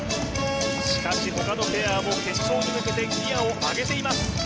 しかし他のペアも決勝に向けてギアを上げています